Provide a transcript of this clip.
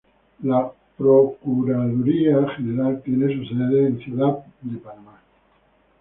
La Procuraduría General tiene su sede en Ciudad de Panamá.